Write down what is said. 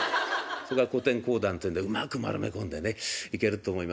それか古典講談っていうんでうまく丸め込んでねいけると思います。